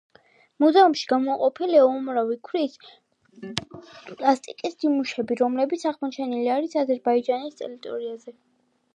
მუზეუმში გამოფენილია უამრავი ქვის პლასტიკის ნიმუშები, რომლებიც აღმოჩენილი არის აზერბაიჯანის ტერიტორიაზე.